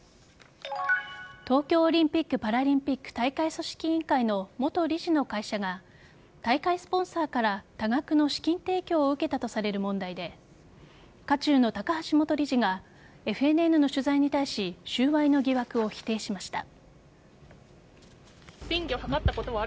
東京オリンピック・パラリンピック大会組織委員会の元理事の会社が大会スポンサーから多額の資金提供を受けたとされる問題で渦中の高橋元理事がＦＮＮの取材に対し収賄の疑惑を否定しました。